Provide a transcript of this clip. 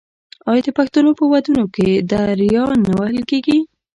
آیا د پښتنو په ودونو کې دریا نه وهل کیږي؟